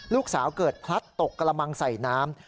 ลูกสาวเกิดพลัดตกกระมังใส่น้ำ